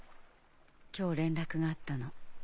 今日連絡があったの。